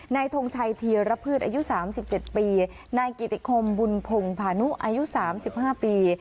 ในถมไชทีรพฤตอายุ๓๗ปีในกิติคมบุญพงษ์พาณุอายุ๓๕ปี